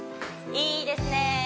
いいですね